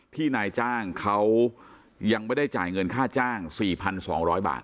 นายจ้างเขายังไม่ได้จ่ายเงินค่าจ้าง๔๒๐๐บาท